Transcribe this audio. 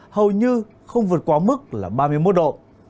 hầu như không vượt quá mức là ba mươi một độ